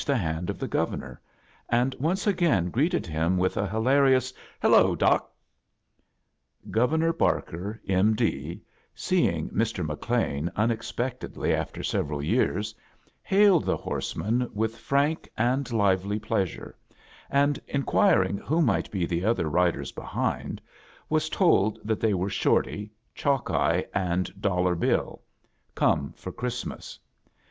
• the hand of the Governor, and'ohU <^Wa greeted him with a hilarious" Hello, Docl" A JOURNEY IN SEARCH OF CHRISTMAS Governor Barker, IBLD^ seeiof Mr. Mc Lean tmezpectedly after several years, hailed the horsemaa irith frank and lively pleasure, and, hiqtiirhie who m^ht he the other riders behind, was told that they were Shorty, Chalkeye, and Dollar BlU* come for Christmas.